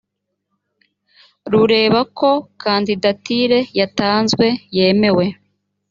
lureba ko kandidatire yatanzwe yemewe